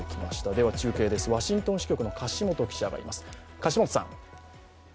では中継です、ワシントン支局に樫元記者がいます。